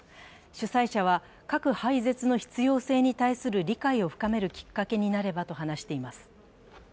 主催者は、核廃絶の必要性に対する理解を深めるきっかけになればと話しています。